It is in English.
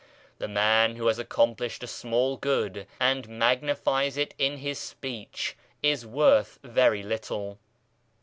The man who has accomplished a small good and magnifies it in his speech is worth very little.